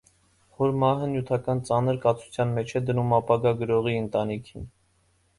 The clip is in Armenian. Հոր մահը նյութական ծանր կացության մեջ է դնում ապագա գրողի ընտանիքին։